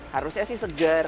harusnya sih seger